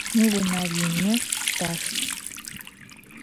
Mı vuner yinı, dax.